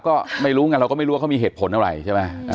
ก็ไม่รู้ไงเราก็ไม่รู้ว่าเขามีเหตุผลอะไรใช่ไหม